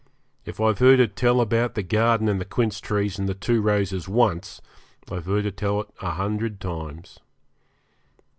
If I've heard her tell about the garden and the quince trees and the two roses once, I've heard her tell it a hundred times.